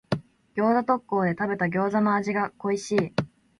餃子特講で食べた餃子の味が恋しい。